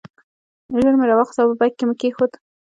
ژر مې راواخیست او په بیک کې مې کېښود.